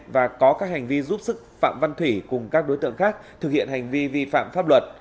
và có các hành vi giúp sức phạm văn thủy cùng các đối tượng khác thực hiện hành vi vi phạm pháp luật